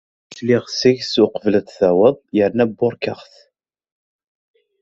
Sliɣ seg-s uqbel ad d-tawdeḍ, yerna burkeɣ-t.